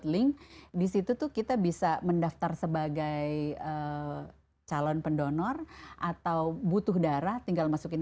link disitu tuh kita bisa mendaftar sebagai calon pendonor atau butuh darah tinggal masukin